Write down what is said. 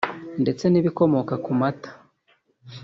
ndetse n’ibikomoka ku mata